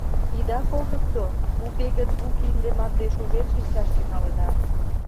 Ида колтыкто, уке гын у кинде марте шужен шинчаш тӱҥалыда.